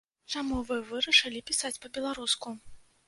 Чаму вы вырашылі пісаць па-беларуску?